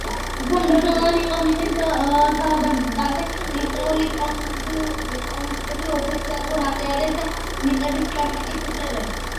უფრო მნიშვნელოვანი იყო მიწის თაობაზე მიღწეული კონსესუსი: ოფიციალურად აღიარეს მიწებზე ბაშკირების უფლებები.